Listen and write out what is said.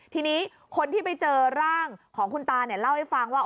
ทีนี้คนที่ไปเจอร่างของคุณตาเนี่ยเล่าให้ฟังว่า